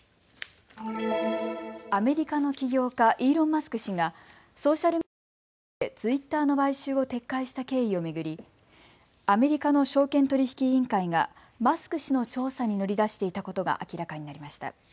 アメリカの起業家、イーロン・マスク氏がソーシャルメディア大手、ツイッターの買収を撤回した経緯を巡り、アメリカの証券取引委員会がマスク氏の調査に乗り出していたことが明らかになりました。